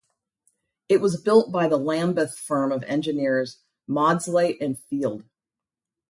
It was built by the Lambeth firm of engineers Maudslay and Field.